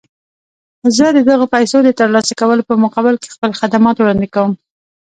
زه د دغو پيسو د ترلاسه کولو په مقابل کې خپل خدمات وړاندې کوم.